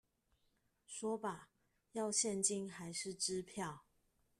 說吧，要現金還是支票？